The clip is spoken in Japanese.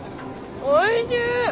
おいしい！